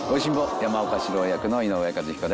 山岡士郎役の井上和彦です。